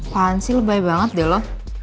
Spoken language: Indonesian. pansi lebay banget deh lo